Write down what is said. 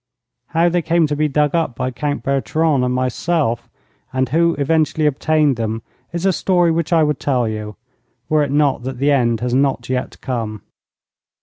How they came to be dug up by Count Bertrand and myself, and who eventually obtained them, is a story which I would tell you, were it not that the end has not yet come.